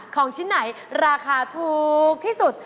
ของชิ้นไหนราคาถูกที่สุด